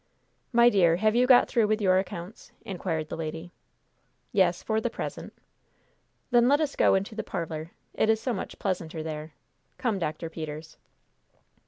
"My dear, have you got through with your accounts?" inquired the lady. "Yes, for the present." "Then let us go into the parlor. It is so much pleasanter there. Come, Dr. Peters."